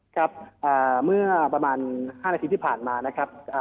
ครับเมื่อประมาณ๕นาทีที่ผ่านมานะครับ